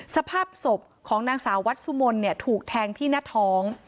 สภาพศพของนางสาววัดสุมนต์ถูกแทงที่หน้าท้อง